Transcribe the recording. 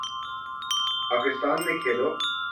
پاکستان نے کھیلو